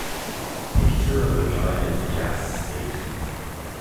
Picture of a guy at a gas station.